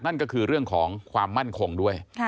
นั่นก็คือเรื่องของความมั่นคงด้วย